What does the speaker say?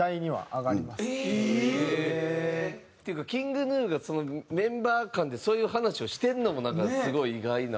ええー！っていうかＫｉｎｇＧｎｕがそのメンバー間でそういう話をしてるのもなんかすごい意外な。